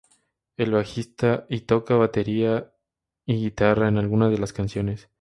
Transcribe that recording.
Es el bajista y toca batería y guitarra en algunas de las canciones.